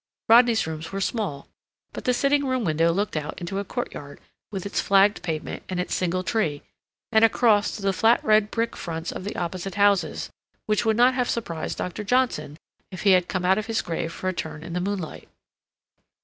Rodney's rooms were small, but the sitting room window looked out into a courtyard, with its flagged pavement, and its single tree, and across to the flat red brick fronts of the opposite houses, which would not have surprised Dr. Johnson, if he had come out of his grave for a turn in the moonlight.